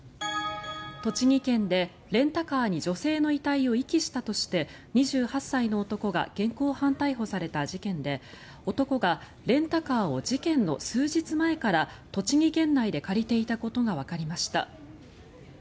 栃木県でレンタカーに女性の遺体を遺棄したとして２８歳の男が現行犯逮捕された事件で男がレンタカーを事件の数日前から栃木県内で借りていたことがわかりました。